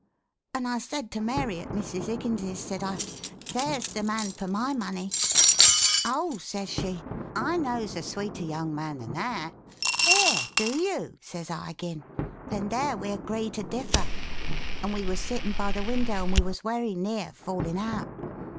And i said to mary at missis Igginses said i theres the Mann for my money o ses Shee i nose a Sweeter Yung Man than that Air Do you sez i Agin then thei'e we Agree To Differ, and we was sittin by the window and we wos wery Neer fallin Out.